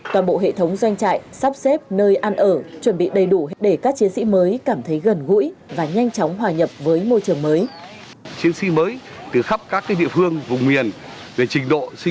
toàn bộ hệ thống doanh trại sắp xếp nơi ăn ở chuẩn bị đầy đủ để các chiến sĩ mới cảm thấy gần gũi và nhanh chóng hòa nhập với môi trường mới